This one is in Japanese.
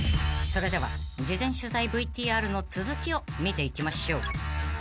［それでは事前取材ＶＴＲの続きを見ていきましょう］